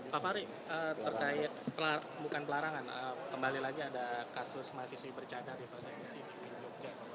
bapak ari percaya bukan pelarangan kembali lagi ada kasus mahasiswi bercadar ya pak